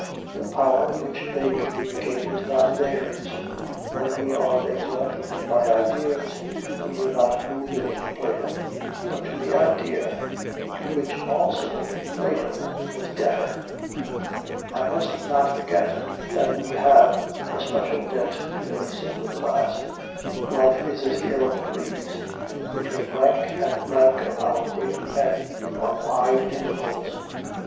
The power which they communicate is not theirs. When we are exalted by ideas, we do not owe this to Plato, but to the idea, to which, also, Plato was debtor. I must not forget that we have a special debt to a single class. Life is a scale of degrees. Between rank and rank of our great men are wide intervals.